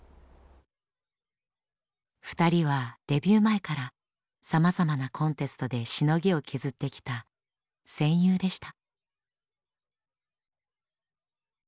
２人はデビュー前からさまざまなコンテストでしのぎを削ってきた戦友でした。